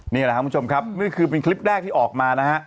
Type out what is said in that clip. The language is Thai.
นี่คือเป็นคลิปแรกที่ออกมา